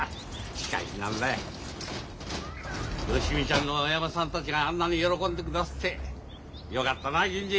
しかし何だよ芳美ちゃんの親御さんたちがあんなに喜んでくだすってよかったなあ銀次。